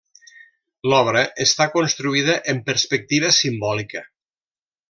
L'obra està construïda en perspectiva simbòlica.